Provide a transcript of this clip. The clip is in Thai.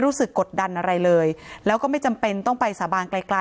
กดดันอะไรเลยแล้วก็ไม่จำเป็นต้องไปสาบานไกลไกล